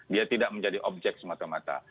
dia tidak menjadi objek semata mata